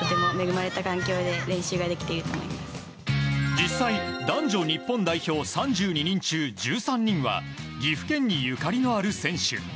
実際、男女日本代表３２人中１３人は岐阜県にゆかりのある選手。